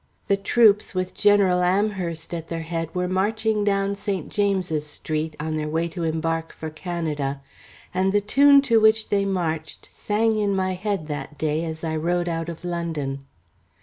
The troops with General Amherst at their head were marching down St. James's Street on their way to embark for Canada, and the tune to which they marched sang in my head that day as I rode out of London.